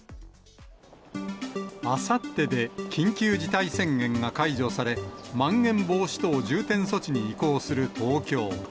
あさってで緊急事態宣言が解除され、まん延防止等重点措置に移行する東京。